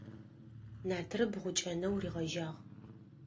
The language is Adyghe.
Натрыб гъукӀэнэу ригъэжьагъ.